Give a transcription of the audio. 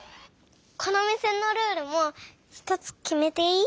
このおみせのルールもひとつきめていい？